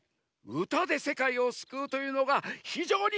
うたでせかいをすくうというのがひじょうにすばらしいざんすね。